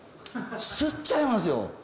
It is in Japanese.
すっちゃいますよ。